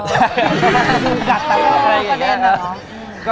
งงกัดอะไรอย่างเงี้ยครับ